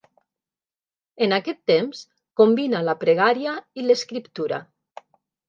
En aquest temps combina la pregària i l'escriptura.